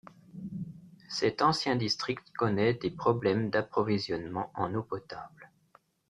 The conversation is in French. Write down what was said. Cet ancien district connaît des problèmes d'approvisionnement en eau potable.